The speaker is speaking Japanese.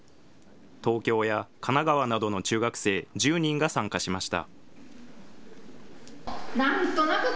東京や神奈川などの中学生１０人が参加しました。